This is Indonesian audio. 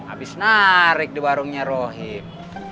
abis narik di warungnya rohim